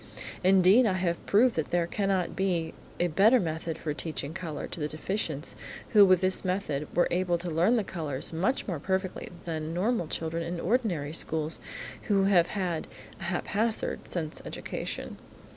Indeed, I have proved that there cannot be a better method for teaching colour to the deficients, who, with this method were able to learn the colours much more perfectly than normal children in the ordinary schools who have had a haphazard sense education.